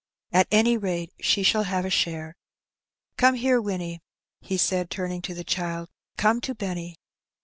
^^At any rate, she shall have a share. Come here, Winnie," he said, turning to the child, "come to Benny."